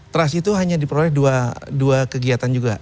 trust itu hanya diperoleh dua kegiatan juga